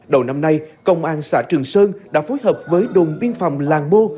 đầu năm nay công an xã trường sơn đã phối hợp với đồn biên phòng làng mô